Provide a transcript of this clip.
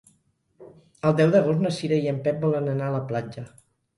El deu d'agost na Cira i en Pep volen anar a la platja.